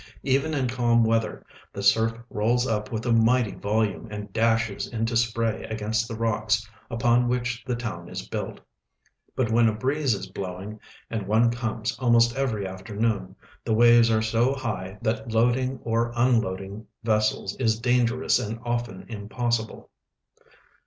Even in calm weatlier the surf rolls up with a mighty volume and dashes into S})ray against the rocks uj)on which the toAvn is ljuilt ; but when a breeze is blowing, and one comes almost every afternoon, the waves are so liigh that loading or unloading vessels is dangerous and often impossible.